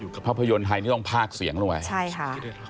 ค่ะภาพยนตร์ไทยต้องภากเสียงด้วยใช่ค่ะ